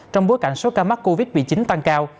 trong bối cảnh số ca mắc covid một mươi chín tăng cao